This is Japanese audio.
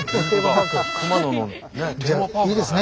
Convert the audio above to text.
じゃあいいですね。